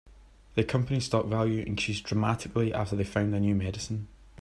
The company's stock value increased dramatically after they found a new medicine.